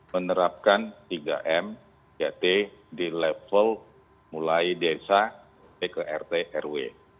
menerapkan tiga m tiga t di level mulai desa t ke rt rw